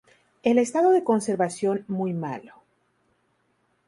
El estado de conservación muy malo.